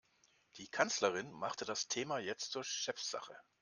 Die Kanzlerin machte das Thema jetzt zur Chefsache.